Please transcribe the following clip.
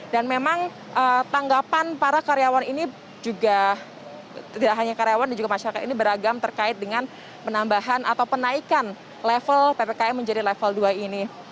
dan memang tanggapan para karyawan ini juga tidak hanya karyawan juga masyarakat ini beragam terkait dengan penambahan atau penaikan level ppkm menjadi level dua ini